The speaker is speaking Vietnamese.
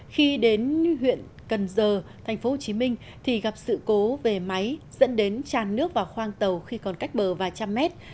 khi đến huyện cần giờ tp hcm thì gặp sự cố về máy dẫn đến tràn nước vào khoang tàu khi còn cách bờ vài trăm mét